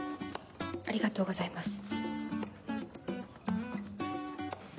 ありがとうございます。